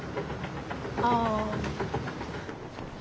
ああ。